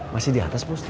masih di atas prosti